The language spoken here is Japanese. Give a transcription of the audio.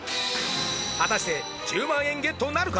果たして１０万円ゲットなるか？